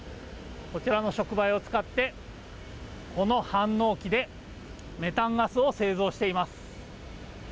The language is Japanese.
こちらの触媒を使ってこの反応機でメタンガスを製造しています。